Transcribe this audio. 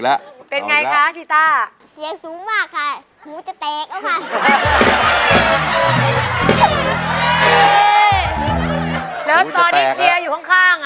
แล้วก็วันนี้เซียอยู่ข้างข้าม